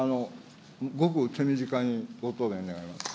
極手短にご答弁願います。